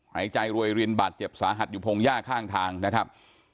หายใจรวยรินบาดเจ็บสาหัสอยู่พงหญ้าข้างทางนะครับ